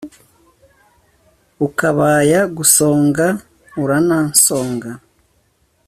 Ukabaya gusonza uranansonga